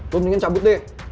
lo mendingan cabut deh